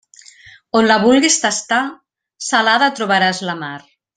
On la vulgues tastar, salada trobaràs la mar.